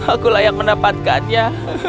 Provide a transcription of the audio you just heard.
aku yang mendapatkannya